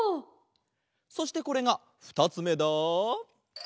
そしてこれがふたつめだ。